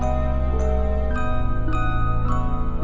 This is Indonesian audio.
ya aku mau makan